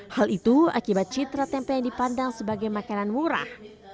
hal itu akibat citra tempe yang dipandang sebagai makanan murah